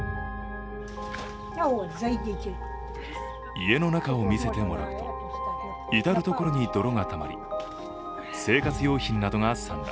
家の中を見せてもらうと至る所に泥がたまり生活用品などが散乱。